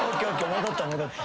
戻った戻った。